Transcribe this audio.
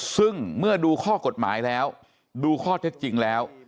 ซึ่งเมื่อดูข้อกฎหมายแล้วดูข้อเท็จจริงแล้ว